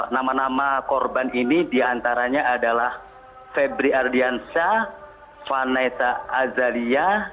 nama nama korban ini diantaranya adalah febri ardiansyah vanessa azalia